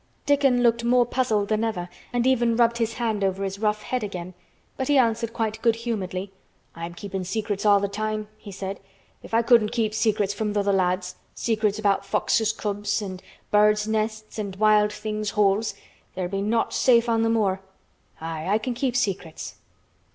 Dickon looked more puzzled than ever and even rubbed his hand over his rough head again, but he answered quite good humoredly. "I'm keepin' secrets all th' time," he said. "If I couldn't keep secrets from th' other lads, secrets about foxes' cubs, an' birds' nests, an' wild things' holes, there'd be naught safe on th' moor. Aye, I can keep secrets."